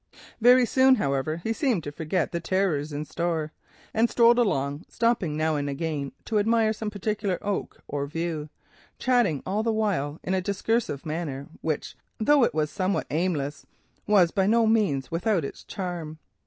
Very soon, however, he seemed to forget the terrors in store, and strolled along, stopping now and again to admire some particular oak or view; chatting all the while in a discursive manner, which, though somewhat aimless, was by no means without its charm.